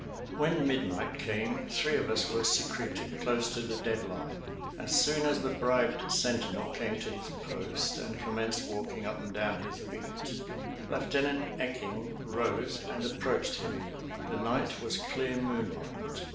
When midnight came three of us were secreted close to the dead line. As soon as the bribed sentinel came to his post and commenced walking up and down his beat Lieutenant Ecking rose and approached him. The night was clear moonlight.